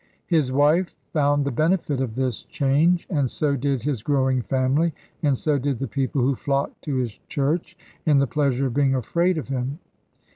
His wife found the benefit of this change, and so did his growing family, and so did the people who flocked to his church, in the pleasure of being afraid of him.